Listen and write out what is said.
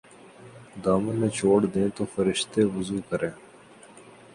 دامن نچوڑ دیں تو فرشتے وضو کریں''